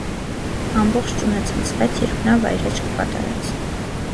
Ամբողջ տունը ցնցվեց, երբ նա վայրէջք կատարեց։